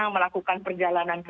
melakukan perjalanan kesekian